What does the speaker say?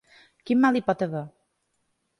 ¿Quin mal hi pot haver?